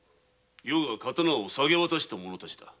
余が刀を下げ渡した者たちだ。